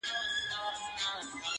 زه له ډبرې خو ته جوړه له سيتاره سوې~